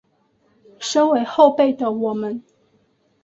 身为后辈的我们